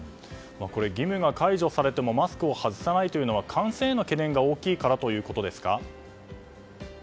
義務が解除されてもマスクを外さないというのは感染への懸念が大きいからということですか？